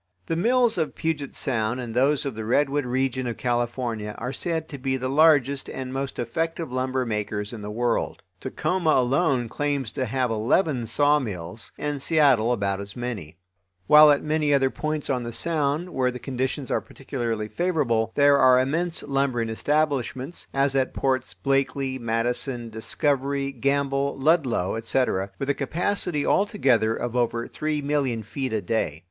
The mills of Puget sound and those of the redwood region of California are said to be the largest and most effective lumber makers in the world. Tacoma alone claims to have eleven sawmills, and Seattle about as many; while at many other points on the Sound, where the conditions are particularly favorable, there are immense lumbering establishments, as at Ports Blakely, Madison, Discovery, Gamble, Ludlow, etc., with a capacity all together of over three million feet a day.